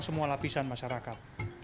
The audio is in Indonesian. semua lapisan masyarakat